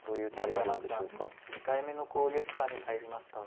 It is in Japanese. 丸山九段２回目の考慮時間に入りました。